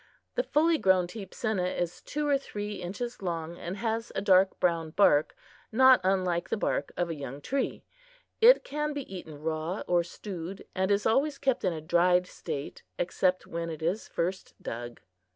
The fully grown teepsinna is two or three inches long, and has a dark brown bark not unlike the bark of a young tree. It can be eaten raw or stewed, and is always kept in a dried state, except when it is first dug.